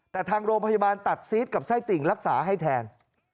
แต่ทางโรงพยาบาลตัดซีสกับไส้ติ่งรักษาให้แทน